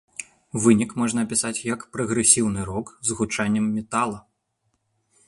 Вынік можна апісаць як прагрэсіўны рок з гучаннем метала.